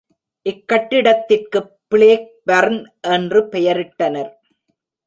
இக் கட்டிடத்திற்குப் ப்ளேக்பர்ன் என்று பெயரிட்டனர்.